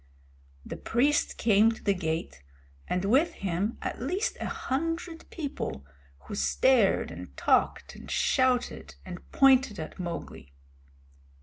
The priest came to the gate, and with him at least a hundred people, who stared and talked and shouted and pointed at Mowgli.